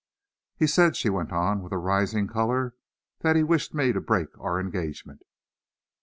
"He said," she went on, with a rising color, "that he wished me to break our engagement."